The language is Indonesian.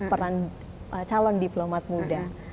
kalau itu calon diplomat muda